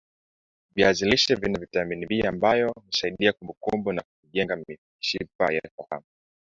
viazi lishe Vina vitamini B ambayo husaidia kumbukumbu na kujenga mishipa ya fahamu